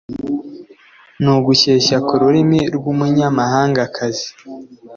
No gushyeshya ku ururimi rwumunyamahangakazi